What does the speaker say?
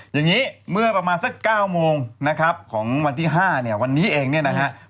อย่างนี้เมื่อประมาณสัก๙โมงนะครับของวันที่๕เนี่ยวันนี้เองเนี่ยนะครับ